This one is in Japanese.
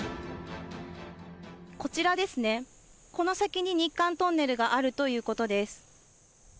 こちらですね、この先に日韓トンネルがあるということです。